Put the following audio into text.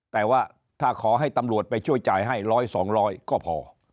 แต่ว่าถ้าขอให้ตำรวจไปช่วยจ่ายให้ร้อยสองร้อยก็พอ